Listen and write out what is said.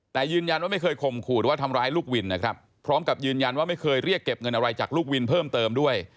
แต่ยืนยันว่าไม่เคยข่มขู่หรือว่าทำร้ายลูกวินนะครับพร้อมกับยืนยันว่าไม่เคยเรียกเก็บเงินอะไรจากลูกวินเพิ่มเติมด้วย